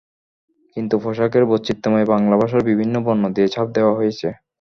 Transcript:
কিছু পোশাকের বৈচিত্রময় বাংলা ভাষার বিভিন্ন বর্ণ দিয়ে ছাপ দেওয়া হয়েছে।